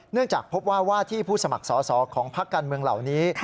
เนื่องจากพบว่าที่ผู้สมัครสอของพรรคการเมืองเหล่านี้